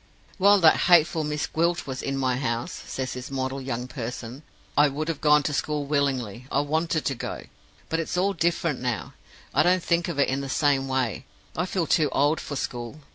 "'While that hateful Miss Gwilt was in the house,' says this model young person, 'I would have gone to school willingly I wanted to go. But it's all different now; I don't think of it in the same way; I feel too old for school.